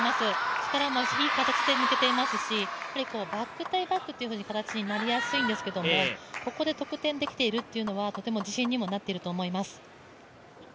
力もいい感じで抜けていますしバック対バックという形になりやすいんですけれどもここで得点できているというのはとても自信にもなっていると思います。